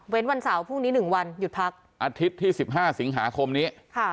วันเสาร์พรุ่งนี้๑วันหยุดพักอาทิตย์ที่๑๕สิงหาคมนี้